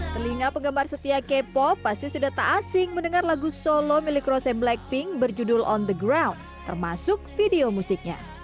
telinga penggemar setia k pop pasti sudah tak asing mendengar lagu solo milik rose blackpink berjudul on the ground termasuk video musiknya